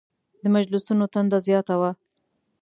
د مجلسونو تنده زیاته وه.